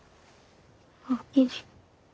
おおきに。